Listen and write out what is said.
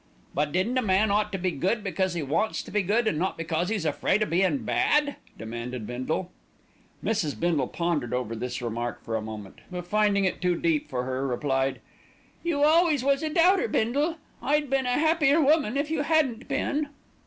"But didn't a man ought to be good because he wants to be good, and not because 'e's afraid of being bad?" demanded Bindle. Mrs. Bindle pondered over this remark for a moment; but finding it too deep for her replied, "You always was a doubter, Bindle; I'd have been a happier woman if you hadn't been."